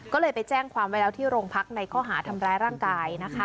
ก็เลยไปแจ้งความไว้แล้วที่โรงพักในข้อหาทำร้ายร่างกายนะคะ